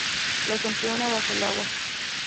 La campana bajo el agua.